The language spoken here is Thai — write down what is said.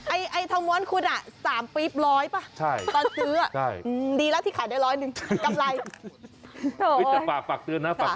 ไอ้ธอมม้วนคนสามเปรี้ปร้อยป่ะ